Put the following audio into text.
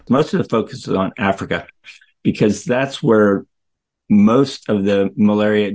kebanyakan fokusnya di afrika karena di situ kebanyakan parasit malaria